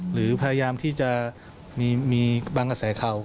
หรือพยายามที่จะมีบางกระแสข่าว